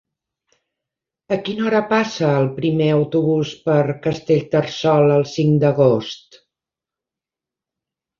A quina hora passa el primer autobús per Castellterçol el cinc d'agost?